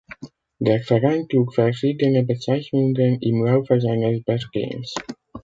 Der Verein trug verschiedene Bezeichnungen im Laufe seines Bestehens